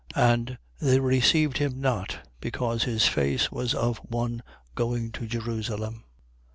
9:53. And they received him not, because his face was of one going to Jerusalem.